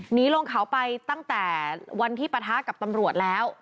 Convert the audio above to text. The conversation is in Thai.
หนีลงเขาไปตั้งแต่วันที่ปะทะกับตำรวจแล้ว